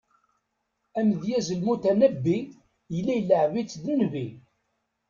Amedyaz Lmutanabbi, yella ileɛɛeb-itt d nnbi.